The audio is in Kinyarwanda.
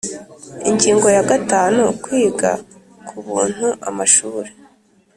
Ingingo ya gatanu Kwiga ku buntu amashuri